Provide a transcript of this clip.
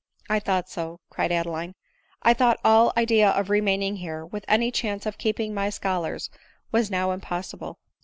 " I thought so," cried Adeline ;" I thought all idea of remaining here, with any chance of keeping my scholars, was now impossible."